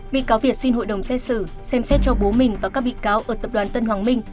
bị cáo việt xin hội đồng xét xử xem xét cho bố mình và các bị cáo ở tập đoàn tân hoàng minh